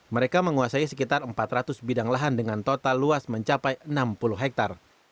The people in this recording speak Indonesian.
mereka menguasai sekitar empat ratus bidang lahan dengan total luas mencapai enam puluh hektare